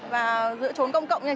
và giữa trốn công cộng như thế này